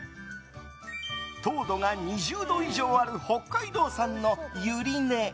糖度が２０度以上ある北海道産のユリ根。